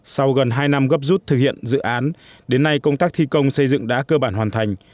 sau gần hai năm gấp rút thực hiện dự án đến nay công tác thi công xây dựng đã cơ bản hoàn thành